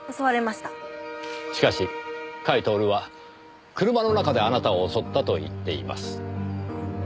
しかし甲斐享は車の中であなたを襲ったと言っています。